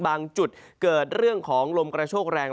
จุดเกิดเรื่องของลมกระโชกแรง